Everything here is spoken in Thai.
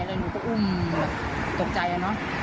เลยหนูก็อุ้มตกใจอ่ะเนอะ